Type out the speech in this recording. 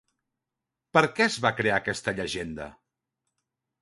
Per què es va crear aquesta llegenda?